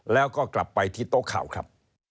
แล้วก็กลับไปที่โต๊ะข่าวครับ